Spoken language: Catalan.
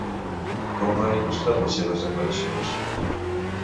Com ha il·lustrat les seves declaracions?